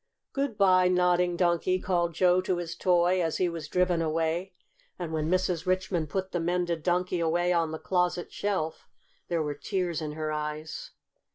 "Good by, Nodding Donkey!" called Joe to his toy, as he was driven away; and when Mrs. Richmond put the mended Donkey away on the closet shelf, there were tears in her eyes.